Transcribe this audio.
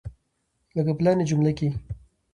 لکه په لاندې جملو کې.